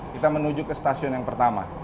kita menuju ke stasiun yang pertama